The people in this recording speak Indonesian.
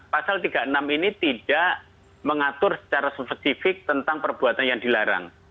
pasal tiga puluh enam ini tidak mengatur secara spesifik tentang perbuatan yang dilarang